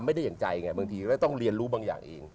อย่างใจไงบางทีก็ต้องเรียนรู้บางอย่างเอง